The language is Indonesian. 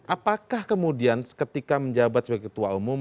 apakah kemudian ketika menjabat sebagai ketua umum